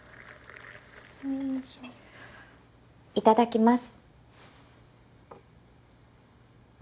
いただきます。